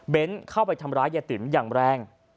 เข้าไปทำร้ายยายติ๋มอย่างแรง